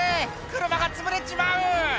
車がつぶれちまう！」